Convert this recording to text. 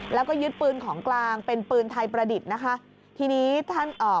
แล้วก็ยึดปืนของกลางเป็นปืนไทยประดิษฐ์นะคะทีนี้ท่านเอ่อ